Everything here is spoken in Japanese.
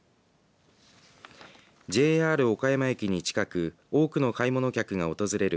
ＪＲ岡山駅に近く多くの買い物客が訪れる